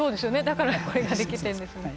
だからこれが出来てるんですね。